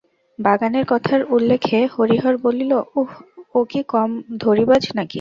বাগানের কথার উল্লেখে হরিহর বলিল, উঃ, ও কি কম ধড়িবাজ নাকি!